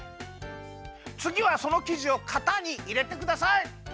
つぎはそのきじをかたにいれてください。